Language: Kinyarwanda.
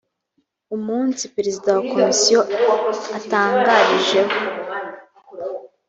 umunsi perezida wa komisiyo atangarijeho